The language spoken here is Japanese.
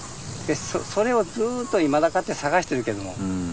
それをずっといまだかつて探してるけども。